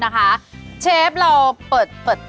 กะเทียม